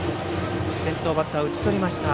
先頭バッター、打ち取りました。